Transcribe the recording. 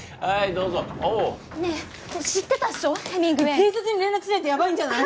警察に連絡しないとやばいんじゃない？